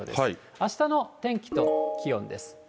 あしたの天気と気温です。